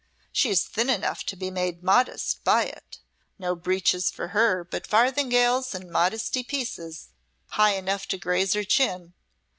She is thin enough to be made 'modist' by it. No breeches for her, but farthingales and 'modesty pieces' high enough to graze her chin.